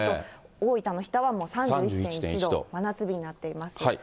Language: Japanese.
大分の日田は３１．１度、真夏日になっています。